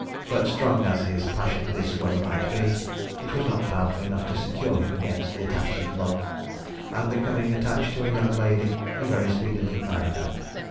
But strong as his passion this way might be, it was not powerful enough to secure him against the attacks of love, and becoming attached to a young lady he very speedily married her.